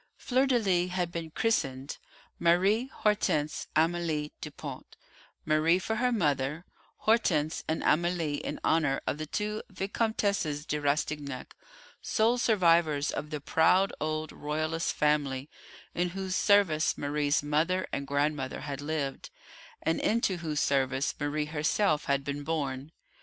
_ FLEUR DE LIS had been christened Marie Hortense Amélie Dupont: Marie for her mother, Hortense and Amélie in honour of the two Vicomtesses de Rastignac, sole survivors of the proud old Royalist family in whose service Marie's mother and grandmother had lived, and into whose service Marie herself had been born.